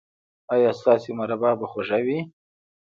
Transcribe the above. ایا ستاسو مربا به خوږه وي؟